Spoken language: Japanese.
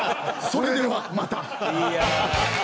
「それではまた」。